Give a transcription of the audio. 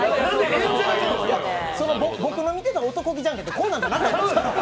僕の見てた「男気じゃんけん」ってこういうのじゃなかったです